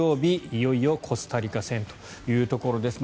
いよいよコスタリカ戦というところです。